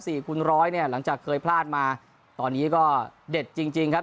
คูณร้อยเนี่ยหลังจากเคยพลาดมาตอนนี้ก็เด็ดจริงจริงครับ